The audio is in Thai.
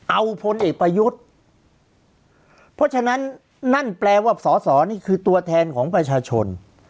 เอาพลเอกประยุทธ์เพราะฉะนั้นนั่นแปลว่าสอสอนี่คือตัวแทนของประชาชน